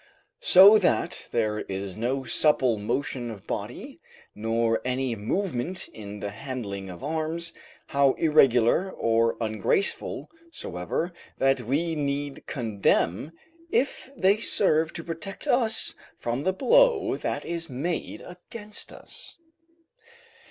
So that there is no supple motion of body, nor any movement in the handling of arms, how irregular or ungraceful soever, that we need condemn, if they serve to protect us from the blow that is made against us.